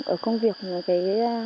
ở công việc là cái